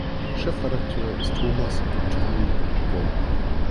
Chefredakteur ist Thomas „Tommi“ Bollmann.